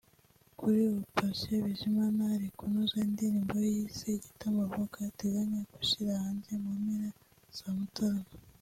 Kuri ubu Patient Bizimana ari kunoza indirimbo ye yise ‘Igitambambuga’ ateganya gushyira hanze mu mpera za Mutarama